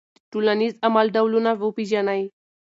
د ټولنیز عمل ډولونه وپېژنئ.